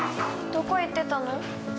どこ行ってたの？